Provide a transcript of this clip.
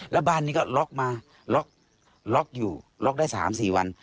แล้วบ้านนี้ก็ล็อกมาล็อกอยู่ล็อกได้๓๔วัน